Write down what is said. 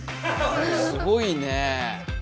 すごいねえ。